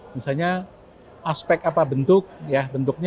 misalnya aspek bentuknya harus berbeda